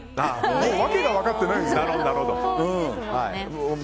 もう訳が分かってないんですよ。